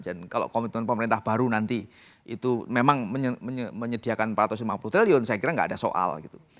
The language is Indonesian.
dan kalau komitmen pemerintah baru nanti itu memang menyediakan empat ratus lima puluh triliun saya kira gak ada soal gitu